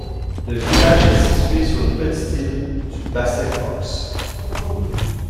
Le village est situé sur une petite île du bassin Foxe.